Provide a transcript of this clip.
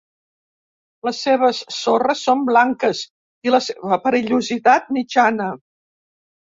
Les seves sorres són blanques i la seva perillositat mitjana.